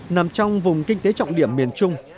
nằm trong vùng kinh tế trọng điểm miền trung